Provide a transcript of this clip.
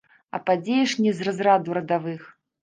А падзея ж не з разраду радавых.